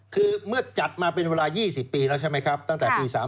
คือเมื่อจัดมาเป็นเวลา๒๐ปีแล้วใช่ไหมครับตั้งแต่ปี๓๔